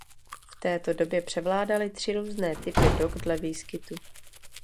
V této době převládaly tři různé typy dog dle výskytu.